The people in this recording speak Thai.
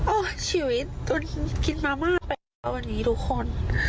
โอ้ยชีวิตต้นกินมามากไปวันนี้ทุกคน